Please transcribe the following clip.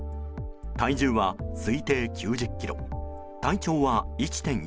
体重は推定９０ｋｇ体長は１．４ｍ。